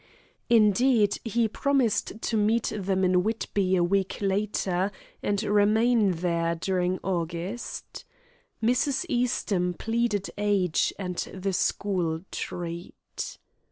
Indeed, he promised to meet them in Whitby a week later, and remain there during August. Mrs. Eastham pleaded age and the school treat.